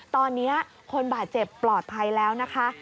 ตอนนี้คนบาดเจ็บปลอดภัยแล้วนะคะ